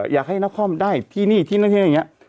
อยากให้นครได้ที่นี่ที่นั่นที่นี่อย่างนี้